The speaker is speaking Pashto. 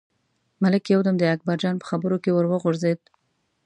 ملک یو دم د اکبرجان په خبرو کې ور وغورځېد.